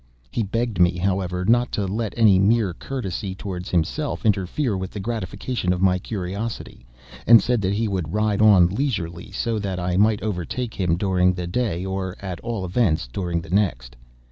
He begged me, however, not to let any mere courtesy towards himself interfere with the gratification of my curiosity, and said that he would ride on leisurely, so that I might overtake him during the day, or, at all events, during the next.